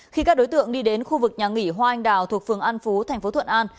khi các đối tượng đi đến khu vực nhà nghỉ hoa anh đào thuộc phường an phú thành phố thuận an